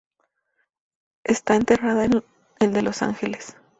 Está enterrada en el de Los Ángeles.